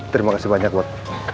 terima kasih banyak buat